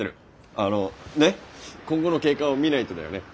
あの今後の経過を見ないとだよね。